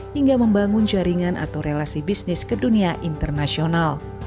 hingga membangun jaringan atau relasi bisnis ke dunia internasional